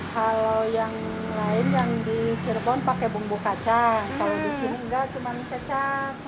kalau yang lain yang di cirebon pakai bumbu kaca kalau di sini enggak cuma kecap